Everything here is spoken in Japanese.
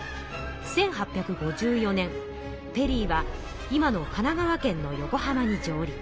１８５４年ペリーは今の神奈川県の横浜に上陸。